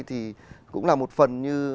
thì cũng là một phần như